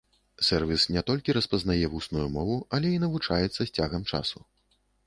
Сэрвіс не толькі распазнае вусную мову, але і навучаецца з цягам часу.